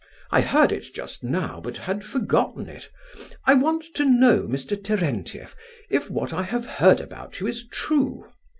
I heard it just now, but had forgotten it. I want to know, Mr. Terentieff, if what I have heard about you is true.